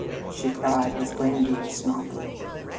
she cried with grandiose mockery.